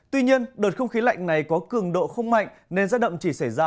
tuy nhiên đợt không khí lạnh này có cường độ không mạnh nên rét đậm chỉ xảy ra